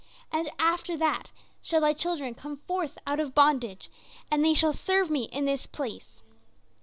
And after that shall thy children come forth out of bondage and they shall serve me in this place.